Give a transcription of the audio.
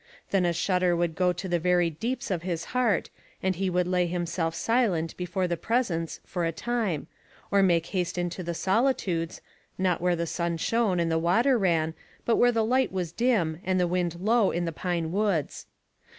Then a shudder would go to the very deeps of his heart, and he would lay himself silent before the presence for a time; or make haste into the solitudes not where the sun shone and the water ran, but where the light was dim and the wind low in the pine woods.